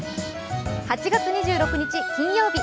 ８月２６日金曜日。